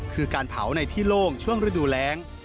คือการเผาในที่โล่งช่วงฤดูแรง